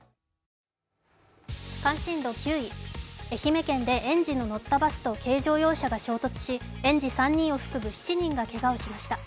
関心度９位、愛媛県で園児が乗ったバスと軽乗用車が衝突し、園児３人を含む７人がけがをしました。